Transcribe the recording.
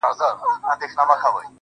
o والله ه چي په تا پسي مي سترگي وځي.